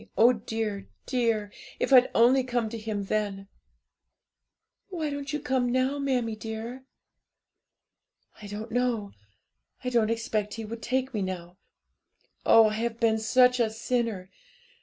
Oh, dear, dear! if I'd only come to Him then!' 'Why don't you come now, mammie dear?' 'I don't know; I don't expect He would take me now; oh, I have been such a sinner!